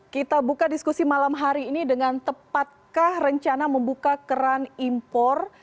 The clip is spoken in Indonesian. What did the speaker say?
kita buka diskusi malam hari ini dengan tepatkah rencana membuka keran impor